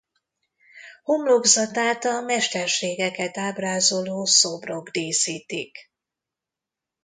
Homlokzatát a mesterségeket ábrázoló szobrok díszítik.